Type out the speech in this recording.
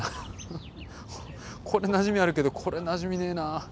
これなじみあるけどこれなじみねえな。